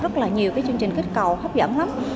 rất là nhiều chương trình kết cầu hấp dẫn lắm